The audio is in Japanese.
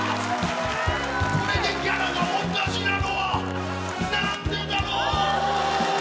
これでギャラがおんなじなのはなんでだろう